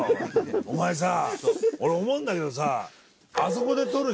お前さ俺思うんだけどさ。